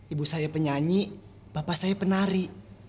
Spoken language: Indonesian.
ibu saya penyanyi bapak saya penari